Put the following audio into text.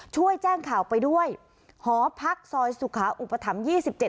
ช่วยแจ้งข่าวไปด้วยหอพักซอยสุขาอุปถัมภ์๒๗